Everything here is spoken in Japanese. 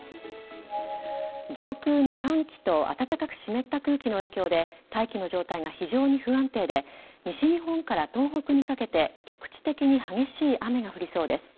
上空の寒気と暖かく湿った空気の影響で大気の状態が非常に不安定で西日本から東北にかけて局地的に激しい雨が降りそうです。